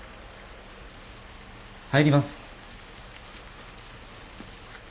入ります。